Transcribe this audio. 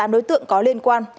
tám đối tượng có liên quan